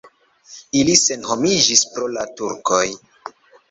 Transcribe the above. Ili senhomiĝis pro la turkoj.